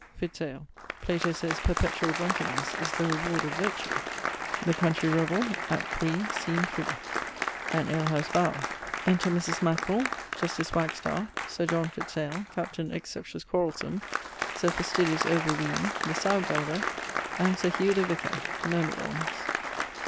Fitz ale. Plato saies perpetuall drunkennesse is the reward of virtue. THE COUNTREY REVELL. =Act III, scene iii.= An alehouse bower. Enter Mris. Maquerell, Justice Wagstaffe, Sir John Fitz ale, Captain Exceptious Quarrellsome, Sir Fastidious Overween, the sowgelder, and Sir Hugh the vicar, myrmidons.